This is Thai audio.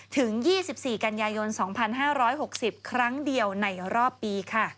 ถึง๒๔กันยายน๒๕๖๐ครั้งเดียวในรอบปีค่ะ